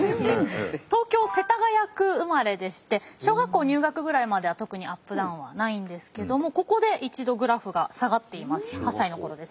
東京・世田谷区生まれでして小学校入学ぐらいまでは特にアップダウンはないんですけどもここで一度グラフが下がっています。